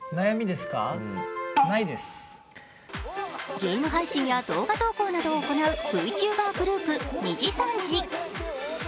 ゲーム配信や動画投稿などを行う、Ｖｔｕｂｅｒグループ・にじさんじ。